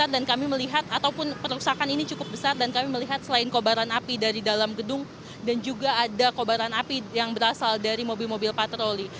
dan kami melihat perusahaan ini cukup besar dan kami melihat selain kobaran api dari dalam gedung dan juga ada kobaran api yang berasal dari mobil mobil patroli